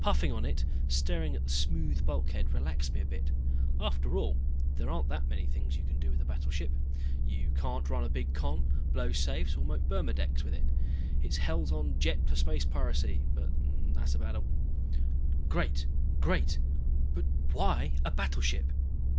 Puffing on it, staring at the smooth bulkhead, relaxed me a bit. After all there aren't that many things you can do with a battleship. You can't run a big con, blow safes or make burmedex with it. It is hell on jets for space piracy, but that's about all. "Great, great but why a battleship?"